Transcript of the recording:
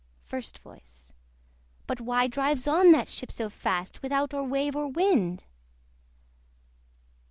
FIRST VOICE. But why drives on that ship so fast, Without or wave or wind?